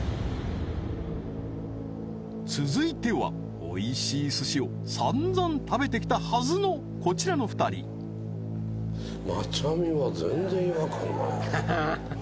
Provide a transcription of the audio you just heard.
続いてはおいしい寿司をさんざん食べてきたはずのこちらの２人マチャミは全然違和感ない